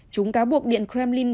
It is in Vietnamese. chúng cáo buộc điện kremlin